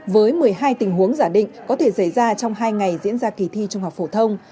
với một mươi hai tình huống giả định có thể xảy ra trong hai ngày diễn ra kỳ thi trung học phổ thông